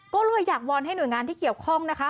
ก็เลยอยากวอนให้หน่วยงานที่เกี่ยวข้องนะคะ